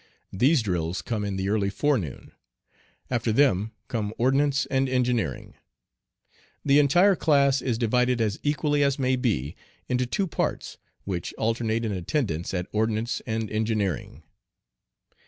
These drills come in the early forenoon. After them come ordnance and engineering. The entire class is divided as equally as may be into two parts, which alternate in attendance at ordnance and engineering.